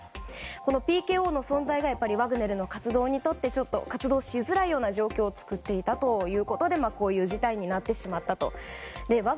このＰＫＯの存在がワグネルにとって活動しづらいような状況を作っていたということでこういう事態になってしまったと。